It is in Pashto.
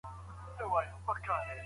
کولای سي، چي هغوی له خپله کوره منع کړي.